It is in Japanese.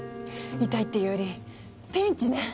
痛いっていうよりピンチね。